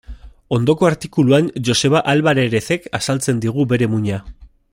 Ondoko artikuluan Joseba Alvarerezek azaltzen digu bere muina.